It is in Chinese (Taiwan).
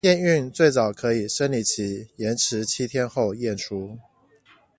驗孕最早可以生理期延遲七天後驗出